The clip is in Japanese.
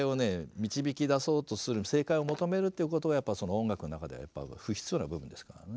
導き出そうとする正解を求めるっていうことがやっぱ音楽の中では不必要な部分ですからね。